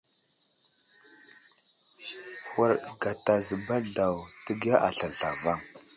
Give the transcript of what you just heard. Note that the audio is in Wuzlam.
Huraɗ gata zəbal daw ,təgiya aslər zlavaŋ.